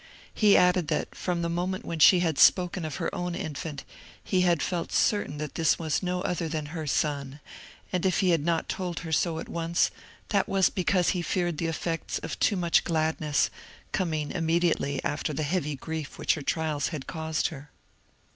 He added that, from the moment when she had spoken of her own infant, he had felt certain that this was no other than her son; and if he had not told her so at once, that was because he feared the effects of too much gladness, coming immediately after the heavy grief which her trials had caused her.